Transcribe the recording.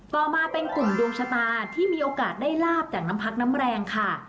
ต่อมาเป็นกลุ่มดวงชะตาที่มีโอกาสได้ลาบจากน้ำพักน้ำแรงค่ะ